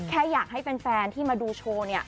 แค่อยากให้แฟนที่มาดูโชว์เนี่ย